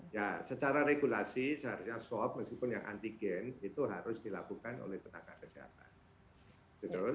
ya secara regulasi seharusnya swab meskipun yang antigen itu harus dilakukan oleh tenaga kesehatan